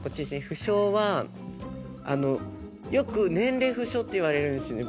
不詳はあのよく年齢不詳って言われるんですね